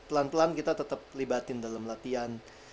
tapi pelan pelan kita tetep libatin dalam latihan